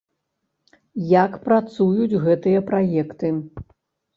Як працуюць гэтыя праекты?